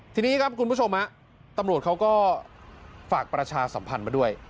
ทีนี้ครับคุณผู้ชมตำรวจเขาก็ฝากประชาสัมพันธ์มาด้วย